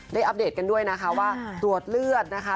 อัปเดตกันด้วยนะคะว่าตรวจเลือดนะคะ